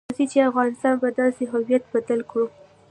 راځئ چې افغانستان په داسې هویت بدل کړو.